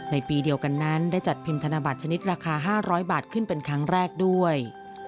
ในปีเดียวกันนั้นได้จัดพิมพ์ธนบัตรชนิดราคา๕๐๐บาทขึ้นเป็นครั้งแรกด้วย